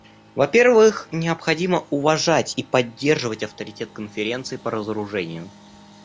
Во-первых, необходимо уважать и поддерживать авторитет Конференции по разоружению.